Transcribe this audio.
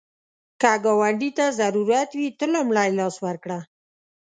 که ګاونډي ته ضرورت وي، ته لومړی لاس ورکړه